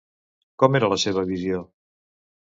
Com era la seva visió?